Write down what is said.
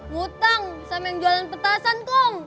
butang sama yang jualan petasan kong